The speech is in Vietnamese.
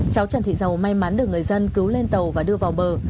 cháu trần thị dầu may mắn được người dân cứu lên tàu và đưa vào bờ